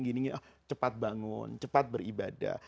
gini cepat bangun cepat beribadah